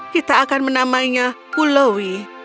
kita akan menamainya pulowi